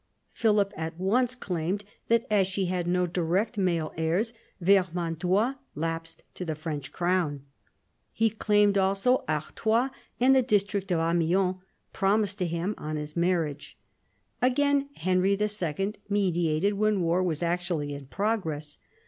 Philip at once claimed that, as she had no direct male heirs, Vermandois lapsed to the French crown. He claimed also Artois and the district of Amiens, promised to him on his marriage. Again Henry II. mediated when war was, actually in progress.